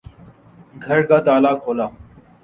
گھر کا تالا کھولا